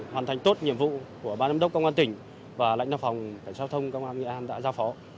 hoàn thành tốt nhiệm vụ của bà nâm đốc công an tỉnh và lãnh đạo phòng cảnh sát thông công an nghệ an đã giao phó